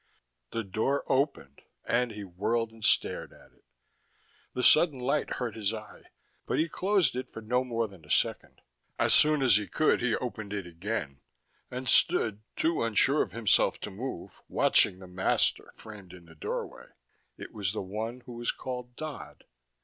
The door opened, and he whirled and stared at it. The sudden light hurt his eye, but he closed it for no more than a second. As soon as he could he opened it again, and stood, too unsure of himself to move, watching the master framed in the doorway. It was the one who was called Dodd.